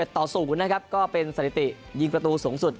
ต่อ๐นะครับก็เป็นสถิติยิงประตูสูงสุด